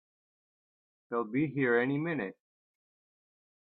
They'll be here any minute!